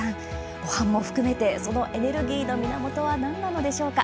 ごはんも含めてそのエネルギーの源は何なのでしょうか。